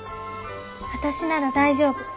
私なら大丈夫。